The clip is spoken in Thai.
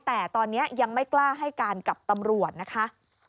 แต่ตอนนี้ยังไม่กล้าให้การกับตำรวจนะคะ